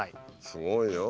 すごいよ。